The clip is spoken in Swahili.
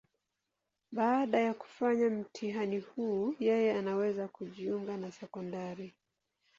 Baada ya kufanya mtihani huu, yeye anaweza kujiunga na sekondari.